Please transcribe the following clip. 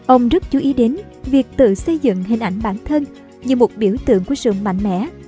ông rất chú ý đến việc tự xây dựng hình ảnh bản thân như một biểu tượng của sự mạnh mẽ